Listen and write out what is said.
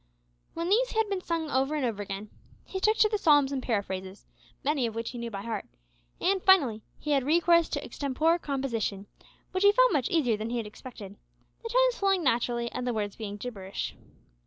When these had been sung over and over again, he took to the Psalms and Paraphrases many of which he knew by heart, and, finally, he had recourse to extempore composition, which he found much easier than he had expected the tones flowing naturally and the words being gibberish!